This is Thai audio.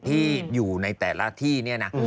ที่อยู่ในแต่ละที่เนี่ยนะ